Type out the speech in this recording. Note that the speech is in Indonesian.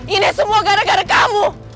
ini semua gara gara kamu